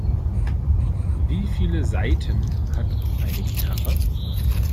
Wie viele Saiten hat eine Gitarre?